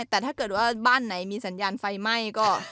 แต่ถ้าเกิดว่าบ้านไหนมีสัญญาณไฟไหม้ก็